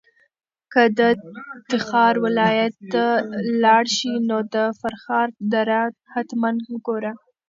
که د تخار ولایت ته لاړ شې نو د فرخار دره حتماً وګوره.